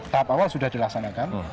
tahap awal sudah dilaksanakan